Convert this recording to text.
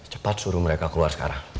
cepat suruh mereka keluar sekarang